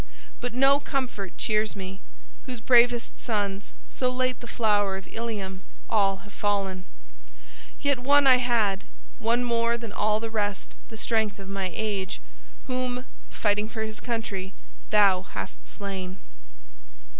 But no comfort cheers me, whose bravest sons, so late the flower of Ilium, all have fallen. Yet one I had, one more than all the rest the strength of my age, whom, fighting for his country, thou hast slain.